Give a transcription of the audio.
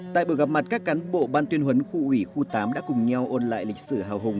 tại buổi gặp mặt các cán bộ ban tuyên huấn khu ủy khu tám đã cùng nhau ôn lại lịch sử hào hùng